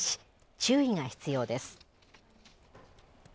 注意が必要です。